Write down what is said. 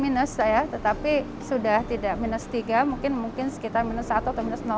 bingung saya tetapi sudah tidak minus tiga mungkin mungkin sekitar minus atau tengen conditional mahsegian